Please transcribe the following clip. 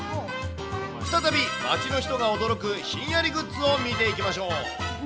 再び街の人が驚くひんやりグッズを見ていきましょう。